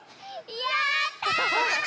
やった！